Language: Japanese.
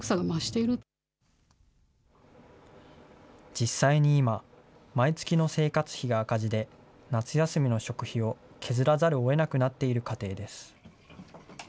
実際に今、毎月の生活費が赤字で、夏休みの食費を削らざるをえなくなっている家庭です。